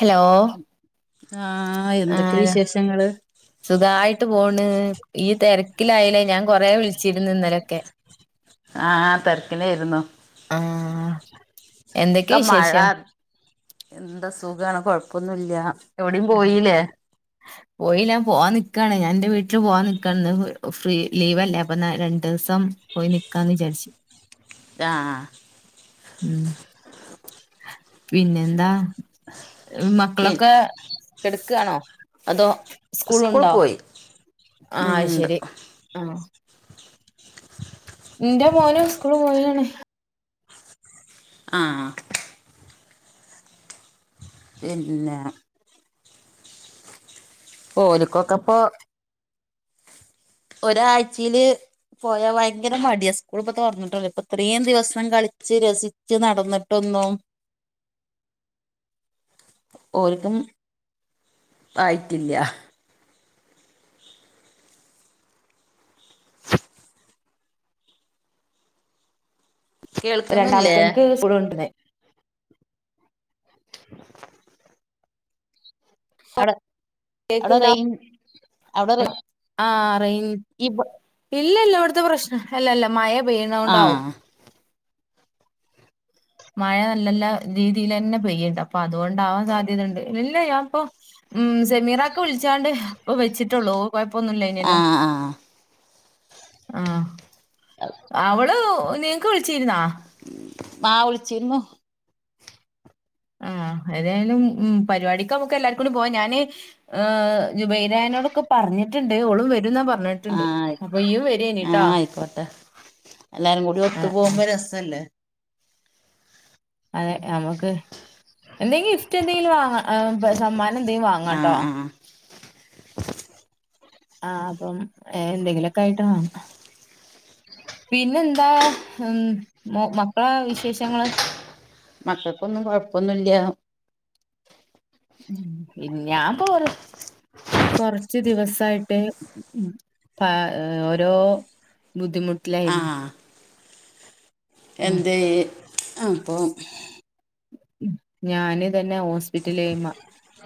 Hello. ആഹ എന്തൊക്കെ ആഹ് വിശേഷങ്ങള്? സുഖായിട്ട് പോണ്. ഈ തെര കിലായല്ലേ. ഞാൻ കൊറെ വിളിച്ചിരുന്നു ഇന്നലൊക്കെ. ആഹ് തിരക്കിലായിരുന്നു ആ ക്ക മഴ. എന്താ സുഖാണ്, കൊഴപ്പൊന്നുംല്ല. എവിടയും ആഹാ. പോയില്ലേ? പോയില്ല. ഞാൻ പോവാൻ നിക്കാണ് ഞാ എന്റെ വീട്ടിൽ പോവാൻ നിക്കാണ്. ന്ന ഫ്രീ ലീവല്ലേ അപ്പൊ രണ്ടു ദിവസം. പോയി നിക്കാന്ന് വിചാരിച്ചു. ആഹ. ഉം പിന്നെ എന്താ പി മക്കളൊക്കെ എക്കയാണോ അതോ സ്കൂൾ പോയി ആഹ ഉണ്ട് ശരി ആഹ എന്റൊ പോനും സ്കൂള് പോയാണ് ആഹ് പിന്നെ ഓലിക്കോൊക്കപ്പ ഒരാഴ്ച്ചില് പോയാ ഭയങ്കര മടിയാ സ്കൂൾ പ തുറന്നിട്ടല്ലോ ഇപ്പൊ ഇത്രയും ദിവസം കളിച്ച് രസി ച്ച് നടന്നിട്ടൊന്ന്നും ഓൽക്കും ആയിട്ടില്ല കേൾക്കുന്നില്ലേ രണ്ടാമത്തോന്ക്ഇപ്പളും ഉണ്ടന്നേ [unintelligible] അവിടെ അവിടെ കേക്ക്ണ്ടോ അവിടെറേഞ്ച്‌ ഇല്ല ഇല്ല ഇവിടത്തെ പ്രശ്നം അല്ലല്ല മഴ പെയ്യണത കൊണ്ടാവും ആഹ് മഴ നല്ല രീതിൽ തന്നെ പെയ്യുണ്ട് അപ്പൊ അതുകൊണ്ടാവാൻ സാധ്യത ഉണ്ട് ഇല്ല അപ്പൊ ഉം സെമീറ ഒക്കെ വിളിച്ചാണ്ട് ഇപ്പൊ വെച്ചിട്ടുള്ളൂ കൊഴപ്പൊന്നുമല്ല ഇനല്ലോ ആഹ് ആഹ ആഹ് അവള് നിങ്ങക്ക് വിളിച്ചിുന്നാ ആ വിളിച്ചിരുന്നു ആ ഏതായാലും ഉ പരിപാടിക്ക നമ്മക്ക് എല്ലാർക്കൂടിും പോവാ ഞാാന് ഹ് ജുബൈരായനോടൊക്കെ പറഞ്ഞിട്ടുണ്ട് ഓളും വരും എന്ന പറഞ്ഞട്ട് ണ്ട് ആഹ് അപ്പൊ ്യു വരനട്ടാ ആഹ് ആയിക്കോട്ടെ എല്ലാരും കൂടി ആ ഒത്തു ആ പോകുമ്പോ രസല്ലേ അതെ നമുക്ക് എന്തെങ്കും ഗിഫ്റ്റ് എന്തെങ്കിലും വാങ്ങ സമ്മാനം എന്തെങ്കിലും വാങ്ങട്ടോ ഹും ആ അപ്പം എ എന്തെങ്കിലോക്കായിട്ട പിന്നെന്താ ഉം മു മക്കളെ വിശേഷങ്ങള് മക്കൾക്കൊന്നും കൊഴപ്പൊന്നുല്ല ഈ ഞാൻ പോര് കുറച്ച് ദിവസായിട്ട് പ ഓരോ ബുദ്ധിമുട്ടത്തിലൈർന്ന് എന്തെ അപ്പോം ഞാന് തന്നെ ഹോസ്പിറ്റലെയ്മ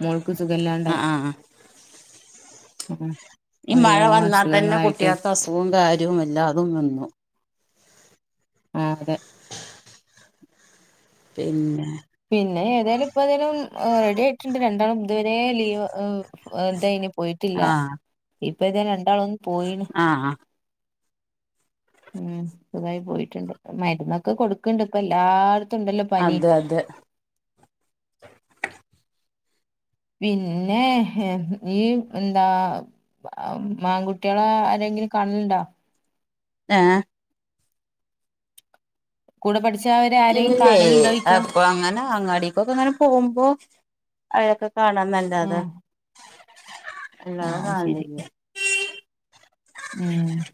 മോൾക്ക് സുഖല്ലാണ്ടായി ആഹ് ആഹ് മ്മ് ഈ മഴ വന്നാൽ തന്നെ കുട്ടിയോക്ക് അസുഖവും കാര്യവും എല്ലാതും വന്നു ആഹ് അതെ പിന്നെ പിന്നെ ഏതായാലും ഇപ്പ ഏതായാലും റെഡി ആയിട്ടുണ്ട് രണ്ടാളും ഇതുവരെ ലീവ് ഏ ഏ ഇതായിന്നു പോയിട്ടില്ല ആഹ് ഇപ്പ ദേ രണ്ടാളും ഒന്ന് പോയിണ് ആഹ് ഉം സുഖായി പോയിട്ടുണ്ട് മരുന്നൊക്കെ കൊടുക്കണ്ട് ഇപ്പൊ എല്ലായിടത്തും ഉണ്ടല്ലോ പനി അതെ അതെ പിന്നെ ഈ എന്താ മാൺകുട്ടികള ആരെങ്കിലും കാണാലുണ്ടോ ഏ കൂടെ പഠിച്ച അവരാ ഇല്ലേ അപ്പൊ അങ്ങനെ അങ്ങാടി ഇപ്പൊക്കെ അങ്ങനെ പോകുമ്പോ അയൊക്കെ കാണാന്നല്ലാതെ ഉം അല്ലാതെ ആഹ് ശരി കാണലില്ല ഉം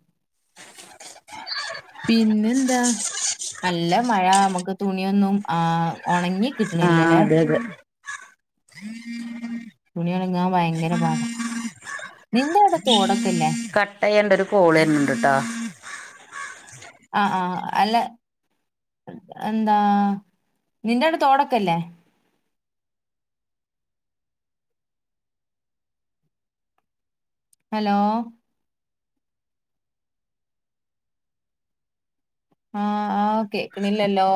പിന്നെ എന്താ നല്ല മഴ നമുക്ക് തുണിയൊന്നും ആ ഉണങ്ങി ആഹ കിട്ടണില്ലല്ലേ അതെ അതെ തുണിയുണങ്ങാൻ ഭയങ്കര പാടാ നിന്റെ അവിടെ തോടൊക്കെല്ലേ കട്ടയന്റെ ഒരു കോള് വരണുണ്ടുട്ടാ ആഹ് ആഹ് അല്ല എന്താ നിന്റെവിടെ തോടക്കയില്ലേ ഹലോ ആഹ് ആഹ്കേക്കണില്ലല്ലോ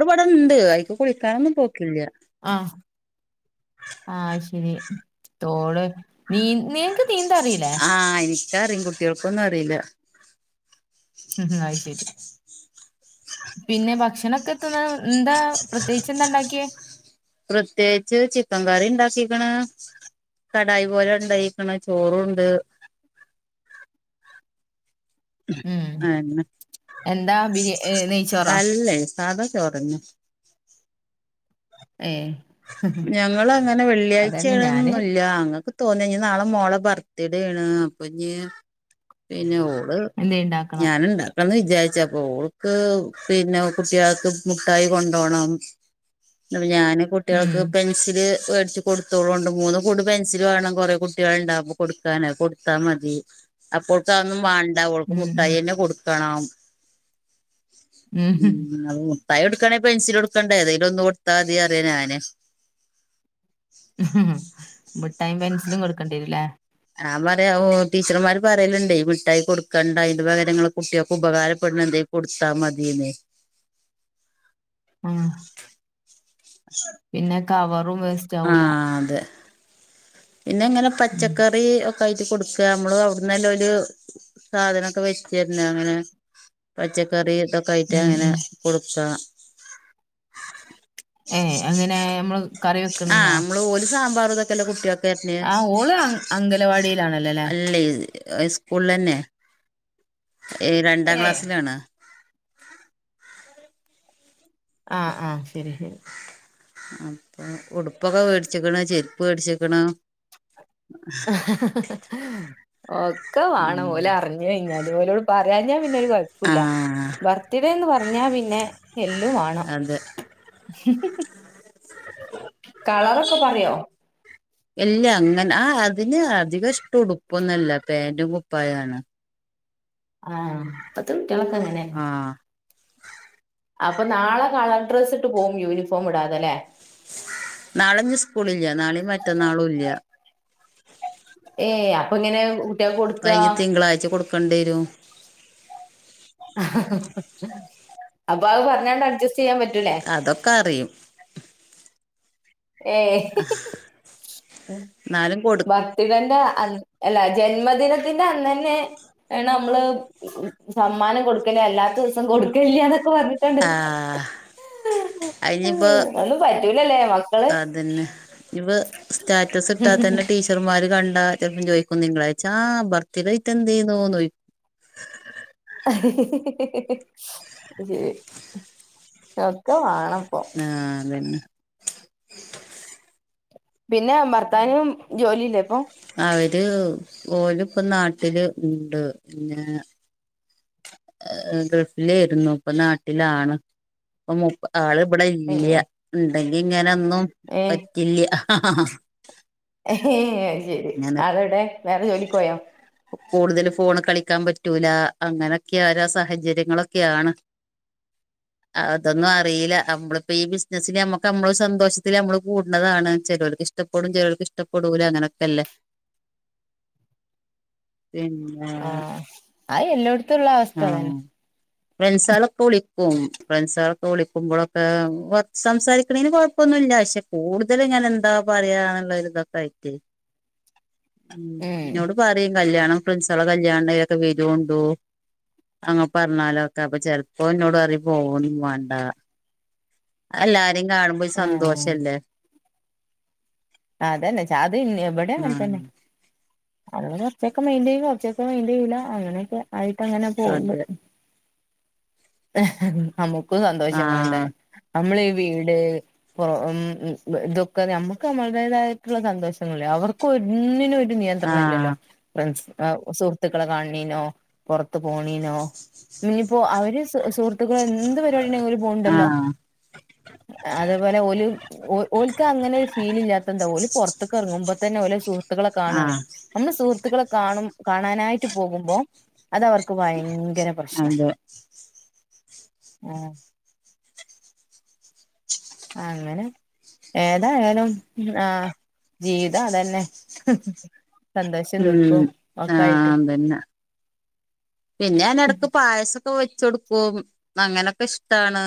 ഒരുപാടിണ്ട് അയിക്ക് കുളിക്കാനൊന്നും പോക്കില്ല ആഹ് ആ ശരി തോട് നീ നിനക്ക് നീന്താ അറിയില്ലേ ആഹ് എനിക്കറിയും കുട്ടികൾക്കൊന്നും അറിയില്ല മ്മ് മ്മ് അയിശരി പിന്നെ ഭക്ഷണൊക്കെ എത്തുന്ന എന്താ പ്രത്യേകിച്ച് എന്താ ഉണ്ടാക്കിയേ പ്രത്യേകിച്ച് ചിക്കൻ കറി ഉണ്ടാക്കിക്കണ് കടായി പോലെ ഉണ്ടായിരിക്കണ ചോറുണ്ട് ഉം ആഹ് ഇന്ന എന്താ ബിരി ഏ നെയ്ച്ചോറോ അല്ലേ സാധാ ചോറന്ന ഏ ഞങ്ങള് അങ്ങനെ വെള്ളിയാഴ്ച അതന്നെ ഞാന് ആണന്നൊന്നുല്ല ഞങ്ങക്ക് തോന്നനി നാളെ മോളെ ബർത്ത്ഡേ ആണ് അപ്പൊ ഇഞ് പിന്നെ എന്തേ ഉണ്ടാക്കണം ഞാനുണ്ട ന്ന് വിചാരിച്ച അപ്പ ഓൾക്ക് പിന്നെ കുട്ടികൾക്ക് മുട്ടായി കൊണ്ടപോണം അപ്പൊ ഞാന് ഉം കുട്ടികൾക്കൊപയിന് ഇത് മേടിച്ച് കൊടുത്തോളൂണ്ട് മൂന്ന് കൂട് പെൻസിൽ വേണം കുറേ കുട്ടികൾ ഉണ്ടാവുമ്പൊ കൊടുക്കാന് ക ത്താ മതി അപ്പോഴക്കാന്നും വാ ണ്ടായോൾക്ക് മുട്ടായി ഉം തന്നെ കൊടുക്കണം ഉം അ മുട്ടായികൊടുക്കണേൽ പെൻസിലോടുക്കണ്ട ഇതെലൊന്ന് കൊടുത്താ മതി അതെ ഞാന് മ്മ് മ്മ് മിഠായും പെൻസിലും കൊടുക്കേണ്ടി വരുംല്ലേ ഞാ പറയാ ഓ ടീച്ചർമാര് പറയലുണ്ടേ മിഠായി കൊടുക്കണ്ട അതിന്റെ പകരം നിങ്ങള് കുട്ടിയൊക്ക് ഉപകാരപ്പെടുന്ന എന്തേല കൊടുത്താ മതിയെന്ന് ആഹ് അ പിന്നെ കവറും വേസ്റ്റ് ആവൂല അതെ പിന്നെ ഇങ്ങനെ ഉം പച്ചക്കറി കഴട്ട് കൊടുക്ക നമ്മള് അവിടന്ന്ല്ലാം സാധനമൊക്കെ വെച്ചി തരുന്ന അങ്ങനെ പച്ചക്കറി ഇതൊക്കെ ആയിട്ട് ഉം അങ്ങനെ ഉം കൊടുക്ക ഏയ് അങ്ങനെ നമ്മള് കറി ആഹ് വെക്കണേനാ നമ്മള് ഓല സാമ്പാറ ഇതൊക്കെല്ല കുട്ടിയൊക്കെ ആ ഓള് അ അംഗലവാടിയിലാണല്ലോ അല്ലേ അല്ല ഇത് സ്കൂളന്നെ രണ്ടാം ഏ ക്ലാസ്സിലാണ് ആഹ് ആഹ് ശരി ശരി അപ്പൊ ഉടുപ്പൊക്കെ മേടിച്ചിക്കണ് ചെരുപ്പ് മേടിച്ചിക്കണ് ഒക്കെ വേണം ഓലെ അറിഞ്ഞഞ് കഴിഞ്ഞാലല് ഓലോട് പറയാ ഞ്ഞഞാൻ പിന്നെരു കുഴപ്പമില്ല ആഹ് ബർത്ത്ഡേ എന്ന് പറഞ്ഞാ പിന്നെ ഹെല്ലും വണം അതെ കളറൊക്കെ പറയോ എല്ല അങ്ങനെ ആ അതിന് അധികം ഇഷ്ടം ഉടുപ്പൊന്നുംല്ല പാൻറും കുപ്പായാണ് ആഹ് ഇപത്ത് കുട്ടികള് ഒക്കെ അങ്ങനെ തെന്നെയാണ് ആഹ് അപ്പൊ നാളെ കളർ ഡ്രസ്സ് ഇട്ട് പോകും യൂിഫോം ഇടാതെ അല്ലെ നാളെ ഇനി സ്കൂളില്ല്യ നാളെയും മറ്റന്നാളും ഇല്ല്യ ഏ അപ്പൊ ഇങ്ങനെ കഴിഞ്ഞ തിങ്കളാഴ്ച കൊടുക്കേണ്ടി വരും അപ്പൊ അത് പറഞ്ഞണ്ട് അഡ് അതൊക്കെ അറിയും ഏ എന്നാലും കൊടു വ തികൻ്റെ അ അല്ല ജന്മദിനത്തിന്റെ അന്നന്നെ ആണ് നമ്മള് സമ്മാനം കൊടുക്കണേ അല്ലാത്ത ദിവസം കൊടുക്കല്ല എന്നൊക്കെ പറഞ്ഞിട്ടണ്ട് ആഹ് അയിനിപ്പോ ഒന്നും പറ്റൂലല്ലേ ന അതന്നെ ഇവ സ്റ്റാറ്റസ് ഇട്ടാ തന്നെ ടീ ചർമാര് കണ്ടാ ചെറപ്പ ചോദിക്കുന്നു തിങ്കളായിച്ച ബർത്തിഡേ ആയിട്ട് എന്ത് ആയിന്നു ചോയി അശേരി ഒക്കെ വേണം ഇപ്പൊ ആ അതന്നെ പിന്നെ ഭർത്താനും ജോലിയില്ലേ ഇപ്പൊ അവര് ഓല് ഇപ്പൊ നാട്ടില് ഉണ്ട് പിന്നെ ഗൾഫിലായിരുന്നു ഇപ്പൊ നാട്ടിലാണ് അപ്പൊ മുപ്പ ആള് ഇവിടെ ഏ ഇല്ല ഉണ്ടെങ്കി ഇങ്ങനെ ഒന്നും ഏ പറ്റില്ല്യ ഏ അശരി അങ്ങനെ ആൾവിടെ വേറെ ജോലിക്ക് പോയോ കൂടുതൽ ഫോണ് കളിക്കാൻ പറ്റൂല അങ്ങനൊക്കെ ഓരോ സാഹചര്യങ്ങളൊക്കെയാണ് അതൊന്നും അറിയിലാ അമ്മളിപ്പോ ഈ ബിസിനസ്സസിന് അമ്മക്ക് നമ്മളെ സന്തോഷത്തില് അമ്മള് കൂട്ണതാണ് ചേലോൽക്ക് ഇഷ് ഇഷ്ട്ടപ്പെടും ചേലോൽക്ക് ഇഷ്ട്ടപ്പെടൂല അങ്ങനെയൊക്കെല്ലേ പിന്നെ ആഹ് അയ് എല്ലായിടത്തുംള്ള അവസ്ഥ അതന്നെ ഫ്രണ്ട്സ ആളൊക്കെ വിളിക്കും ഫ്രണ്ട്സളൊക്കെ വിളിക്കുമ്പോഴൊക്കെ സംസാരിക്കണേന് കുഴ പ്പന്നുല്ല്യ പക്ഷെ കടുതല് ഇങ്ങനെ എന്താ പറയാനുള്ള ഇതൊക്കെ ആയിട്ട് ഉം ഇനോട് പറയും കല്യാണം ഫ്രണ്ട്സ്കള കല്യാണൊക്കെ വരുണ്ടോ അങ്ങെ പറഞ്ഞാലോ ഒക്കെ അപ്പൊ ചെലപ്പോ എന്നോട് പറയും പോവ ഒന്നും വേണ്ട എല്ലാരേം കാണുമ്പോ ഒരു ആ സന്തോഷല്ലേ അതന്നെ ചാദ ഇന്ന്ബടയും അങ്ങനെ ആഹ് തന്നെ അഹ് കൊർച്ചൊക്കെ മെയ്ന്റെയ്യും കൊർച്ചൊക്കെ മെയിന്റെയ്യൂല അങ്ങനെയൊക്കെ ആയിട്ട്ങ്ങനെ പോവ്ണ്ട്. അതെ നമുക്കും സന്തോഷം വേണ്ടേ ആഹ് നമ്മളീവീട് പോ ഇമ്മ് ബ് ഇതൊക്കെ നമ്മക്ക് നമ്മളടേതായിട്ടുള്ള സന്തോഷങ്ങളില്ലേ അവർക്കൊന്നിനും ഒ നിയന്ത്രണം ഇല്ലല്ലോ? ആഹ് ഫ്രണ്ട്സ് അ സുഹൃത്തുക്കളെ കാണീനോ പുറത്ത്പോണീനോ ഇനിഞ്ഞിപ്പോ അവര് ത് സുഹൃത്തുക്കൾ എന്ത് പരിപാടിടെങ്കിലും ഓര് പോക്ണ്ടല്ലോ ആഹ് അതേപോലെ ഓല് ഓ ഓൽക്കങ്ങനെ ഒരു ഫീൽ ഇല്ലാതെന്താ ഓല് പുറത്ത്ക്ക് ഇറങ്ങുബ തെന്നെ ഓല് സുഹൃത്തുളെ കാണാണ്. ആഹ് നമ്മള് സുഹൃത്തുക്കളെ കാണും കാണാനായിട്ട് പോകുമ്പോ അതവർക്ക് വയങ്കര പ്രശ്ന അതെ ആഹ് അങ്ങനെ ഏതായാലും ആഹ് ജീവിതതെന്നെ ഉം ആയിട്ട് ആഹ് അതെന്നെ പിന്നെ ഞാനെടെക്ക് പായസം കൊവെചൊട്ക്കും അങ്ങനെയൊക്കെ ഇഷ്ട്ടാണ്.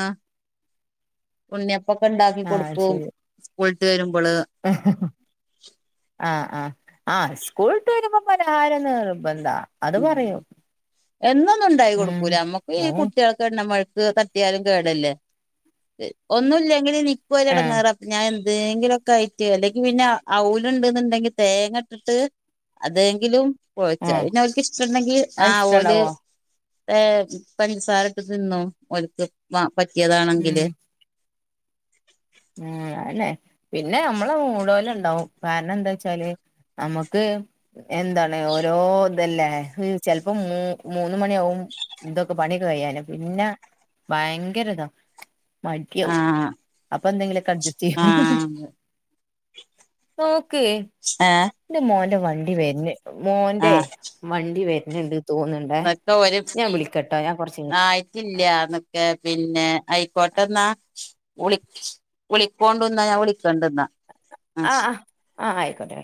ഉണ്ണിയപ്പൊക്കെ ഇണ്ടാക്കി ആഹ് കൊടുക്കും ശരി സ്കൂളിട്ട് വെരുമ്പള് ആഹ് ആഹ് ആഹ് സ്കൂൾട്ട് വെരുമ്പോ പലഹാരം നിർ ഉം എന്നൊന്നും ഇണ്ടാക്കി ഉം കൊടുക്കൂല അമ്മക്കീ അത് കുട്ടിയാൾ എണ്ണം വഴക് തട്ടിയാലും കേടല്ലേ ഒന്നുല്ലെങ്കിൽ ഇൻക്കു ആഹ് ഒര്എടങ്ങേറക്ക് ഞാൻ എന്തെങ്കിലൊക്കെ ആയിറ്റ് അല്ലെങ്കിൽ പിന്നെ അവുല് ഇണ്ട്ന്ന്ണ്ടങ്കി തേങ്ങ ഇട്ടിട്ട് അതെങ്കിലും കുഴച് ആഹ് അഹ്പിന്നെ അവർക്ക്ഷ്ട്ടണ്ടെങ്കിൽ അത് ആഹ് ഓല് ഇഷ്ടണ്ടാവോ ഏ പഞ്ചസാരട്ട് തിന്നും ഒല്ക്ക് മ ഉം പറ്റിയതാണെങ്കില് ഉം അയെന്നെ പിന്നെ അമ്മളെ മൂട് പോലെണ്ടാവും കാരണംന്താ വെച്ചാല് നമുക്ക് എന്താണ് ഓരോ അതല്ലേ ഹ് ചെൽപ്പോ മൂ മൂന്ന്മണിയാവും ഇതൊക്കെ പണി കഴിയാന് പിന്നെ ഭയങ്കരതാ മടിയാവും. ആഹ് അപ്പൊ എന്തെങ്കിലുമൊക്കെ അഡ്ജസ്റ്റ് ചെയ്യും ആഹ് ഓക്കെ ഏഹ് ഇന്റെ മോന്റെ വണ്ടി വെര്ണ് മോന്റെ ആഹ് വണ്ടി വെര്ണ്ണ്ണ്ട് തോന്ന്ണ്ടേ എന്നൊക്കെ ഞാൻ വിളിക്കട്ടോ ഞാൻ കുറച്ച്ക ഇല്ല ന്ന്ക്കെ പിന്നെ ആയിക്കോട്ടെന്നാ. വുളി വുളിക്കൊണ്ടുന്ന ഞാൻ വിളിക്കണ്ട്ന്നാ ആഹ് ആഹ് ആഹ് ആയിക്കോട്ടെ